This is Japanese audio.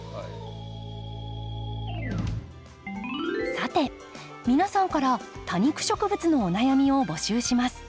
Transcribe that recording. さて皆さんから多肉植物のお悩みを募集します。